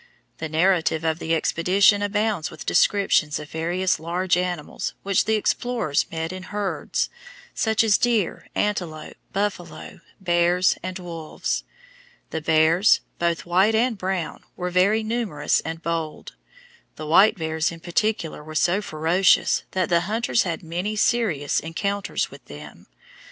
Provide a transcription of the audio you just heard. The narrative of the expedition abounds with descriptions of various large animals which the explorers met in herds, such as deer, antelope, buffalo, bears, and wolves. The bears, both white and brown, were very numerous and bold. The white bears in particular were so ferocious that the hunters had many serious encounters with them.